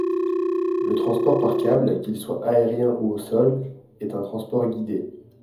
Le transport par câble, qu’il soit aérien ou au sol, est un transport guidé.